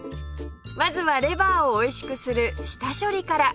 まずはレバーをおいしくする下処理から！